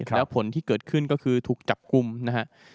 แล้วผลที่เกิดขึ้นก็คือถูกจับกลุ่มนะฮะ